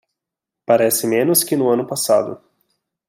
Parece menos que no ano passado